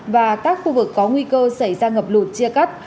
và các khu vực có nguy cơ xảy ra ngập lụt chia cắt